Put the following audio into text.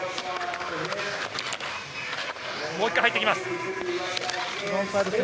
もう１回入ってきます。